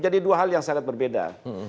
jadi dua hal yang sangat berbeda